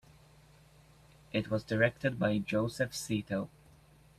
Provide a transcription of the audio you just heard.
It was directed by Joseph Zito.